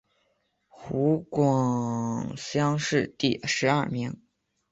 湖广乡试第十二名。